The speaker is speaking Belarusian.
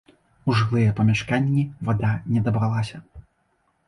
У жылыя памяшканні вада не дабралася.